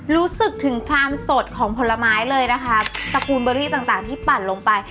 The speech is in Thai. รู้สึกถึงความสดของผลไม้เลยนะคะตระกูลเบอรี่ต่างต่างที่ปั่นลงไป